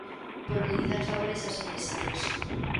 Por utilizar favores aos empresarios.